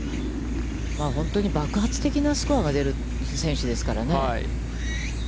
本当に爆発的なスコアが出る選手ですからね。